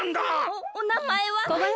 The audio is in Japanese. おおなまえは？